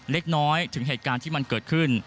เล็กน้อยถึงเหตุการณ์ที่มันเกิดขึ้น